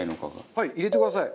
はい入れてください。